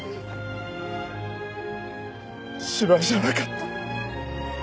芝居じゃなかった。